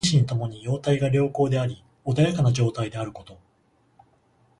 心身ともに様態が良好であり穏やかな状態であること。